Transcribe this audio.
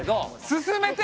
進めて！